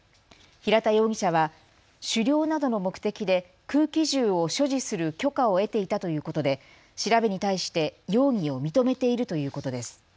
平田容疑者は狩猟などの目的で空気銃を所持する許可を得ていたということで調べに対して容疑を認めているということです。